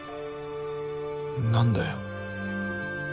何だよ？